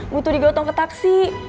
butuh digotong ke taksi